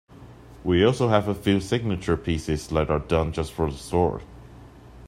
We also have a few signature pieces that are done just for the store.